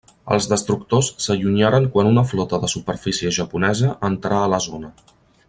Els destructors s'allunyaren quan una flota de superfície japonesa entrà a la zona.